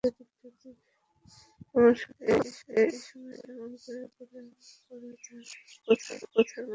এ সময়ে এমন করে প্রণাম করা তার প্রথার মধ্যে ছিল না।